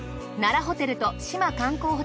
奈良ホテルと志摩観光